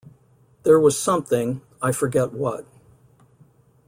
There was something — I forget what.